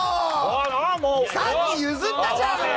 さっき譲ったじゃん！